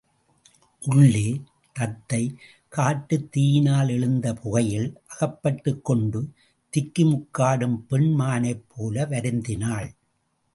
உள்ளே தத்தை காட்டுத் தீயினால் எழுந்த புகையில் அகப்பட்டுக்கொண்டு திக்குமுக்காடும் பெண் மானைப் போல வருந்தினாள்.